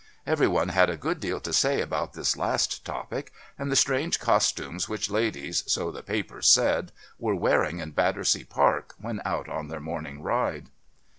Every one had a good deal to say about this last topic, and the strange costumes which ladies, so the papers said, were wearing in Battersea Park when out on their morning ride.